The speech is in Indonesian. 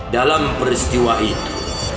dalam peristiwa itu